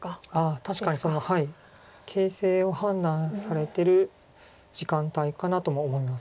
確かにその形勢を判断されてる時間帯かなとも思います。